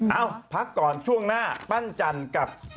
เอ้าพักก่อนช่วงหน้าปั้นจันทร์กับ